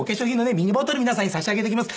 ミニボトル皆さんに差し上げていきます。